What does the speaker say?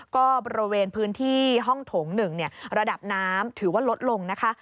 ก็บริเวณพื้นที่ห้องโถง๑ระดับน้ำถือว่าลดลงนะคะ